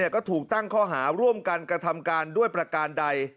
ก็ถูกตั้งข้อหาร่วมกันกระทำการด้วยประการใด